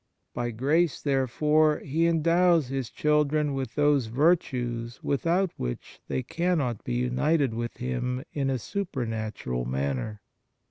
By grace, therefore, He endows His chil dren with those virtues without which they cannot be united with Him in a super natural manner.